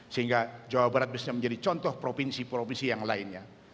sehingga jawa barat bisa menjadi contoh provinsi provinsi yang lainnya